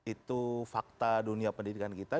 itu fakta dunia pendidikan kita